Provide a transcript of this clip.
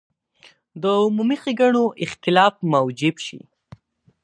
د عمومي ښېګڼو اختلاف موجب شي.